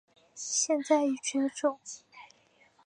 现在已绝种。